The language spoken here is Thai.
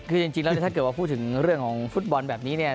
คือจริงแล้วถ้าเกิดว่าพูดถึงเรื่องของฟุตบอลแบบนี้เนี่ย